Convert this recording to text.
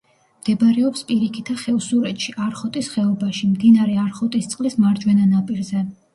მდებარეობს პირიქითა ხევსურეთში, არხოტის ხეობაში, მდინარე არხოტისწყლის მარჯვენა ნაპირზე.